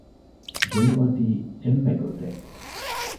ދެން އޮތީ އެންމެ ގޮތެއް